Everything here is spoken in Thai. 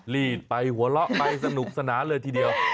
รีดไปหัวเราะไปสนุกสนานเลยทีเดียว